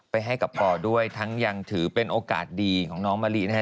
ไปให้กับปอด้วยทั้งยังถือเป็นโอกาสดีของน้องมะลินะฮะ